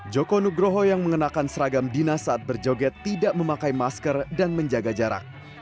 joko nugroho yang mengenakan seragam dinas saat berjoget tidak memakai masker dan menjaga jarak